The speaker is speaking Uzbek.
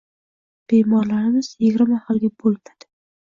Bemorlarimiz yigirma xilga bo‘linadi.